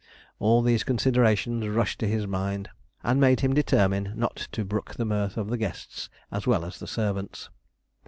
All these considerations rushed to his mind, and made him determine not to brook the mirth of the guests as well as the servants.